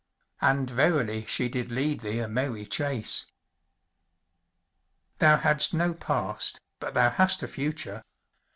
And verily she did lead thee a merry chase! "Thou hadst no Past, but thou hast a Future.